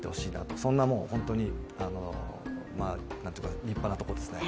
そんな、本当に立派なところです。